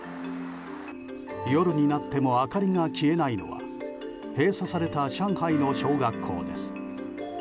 夜になっても明かりが消えないのは閉鎖された上海の小学校です。